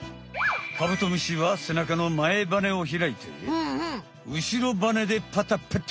カブトムシはせなかの前バネを開いて後ろバネでパタパタ。